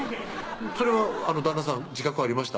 それは旦那さん自覚ありました？